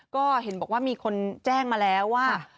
ก็เห็นบอกว่ามีคนแจ้งมาแล้วว่า